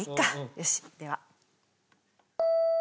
よしでは。